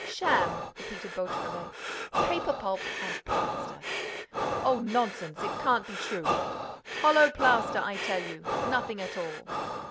"Sham!" repeated Beautrelet. "Paper pulp and plaster!" "Oh, nonsense! It can't be true!" "Hollow plaster, I tell you! Nothing at all!"